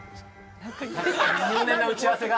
入念な打ち合わせが。